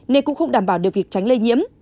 nên cũng không đảm bảo được việc tránh lây nhiễm